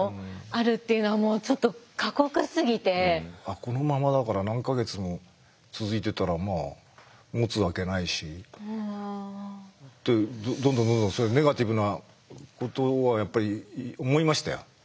このままだから何か月も続いてたらまあもつわけないしどんどんどんどんそういうネガティブなことはやっぱり思いましたよ。